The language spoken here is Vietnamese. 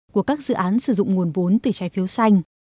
của các dự án sử dụng nguồn vốn từ trái phiếu xanh